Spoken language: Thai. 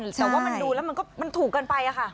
แต่ว่ามันดูแล้วมันถูกกันไปอะค่ะ